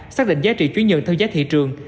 xác định giá trị chuyển nhượng theo giá thị trường